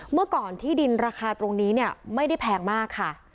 เมื่อก่อนที่ดินราคาตรงนี้เนี่ยไม่ได้แพงมากค่ะ